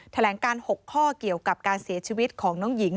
แถลงการ๖ข้อเกี่ยวกับการเสียชีวิตของน้องหญิง